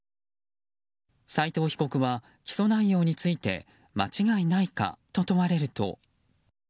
斉藤被告は起訴内容について間違いないかと問われると。